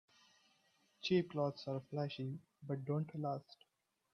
Cheap clothes are flashy but don't last.